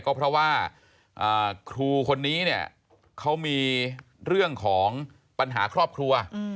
ก็เพราะว่าครูคนนี้เนี่ยเขามีเรื่องของปัญหาครอบครัว